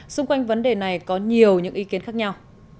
xung quanh vấn đề này có nhiều những ý kiến khác nhau